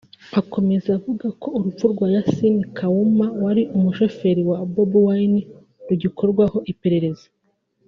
Akomeza avuga ko urupfu rwa Yasin Kawuma wari umushoferi wa Bobi Wine rugikorwaho iperereza